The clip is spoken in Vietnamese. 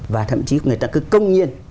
và thậm chí người ta cứ công nhiên